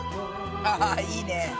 あいいね。